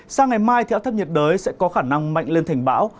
sáng ngày mai áp thấp nhiệt đới sẽ có khả năng mạnh lên thành bão